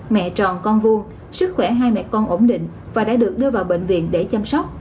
mẹ tròn con vuông sức khỏe hai mẹ con ổn định và đã được đưa vào bệnh viện để chăm sóc